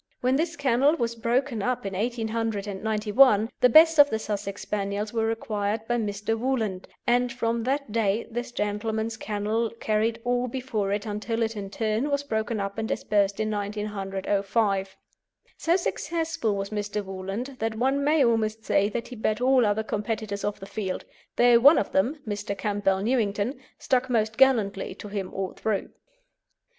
When this kennel was broken up in 1891, the best of the Sussex Spaniels were acquired by Mr. Woolland, and from that date this gentleman's kennel carried all before it until it in turn was broken up and dispersed in 1905. So successful was Mr. Woolland that one may almost say that he beat all other competitors off the field, though one of them, Mr. Campbell Newington, stuck most gallantly to him all through.